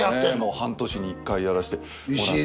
半年に１回やらせてもらって。